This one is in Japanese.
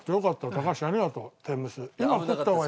高橋ありがとう天むす。